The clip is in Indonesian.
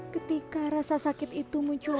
ketika rasa sakit itu muncul